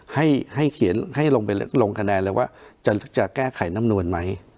ให้เขียนให้ลงไปลงคะแนนเลยว่าจะแก้ไขน้ำนวลไหม